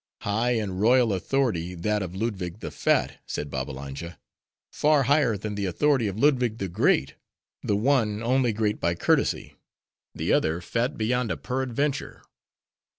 '" "High and royal authority, that of Ludwig the Fat," said Babbalanja, "far higher than the authority of Ludwig the Great:—the one, only great by courtesy; the other, fat beyond a peradventure.